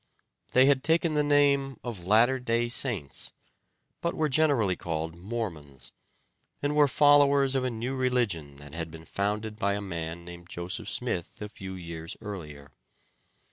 They had taken the name of "Latter Day Saints," but were generally called Mormons, and were followers of a new religion that had been founded by a man named Joseph Smith a few years earlier.